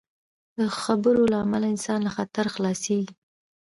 د خبرو له امله انسان له خطر خلاصېږي.